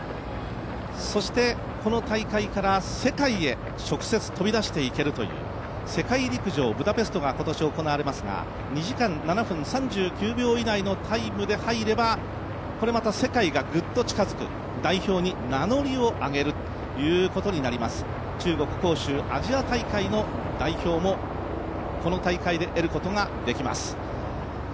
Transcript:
そしてこの大会から世界へ直接飛び出していけるという世界陸上ブタペストが行われますが２時間７分３９秒以内のタイムで入れば、これまた世界がぐっと近づく代表に名乗りを上げるということになります、中国・杭州アジア大会の代表も得ることができます。